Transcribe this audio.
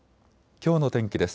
きょうの天気です。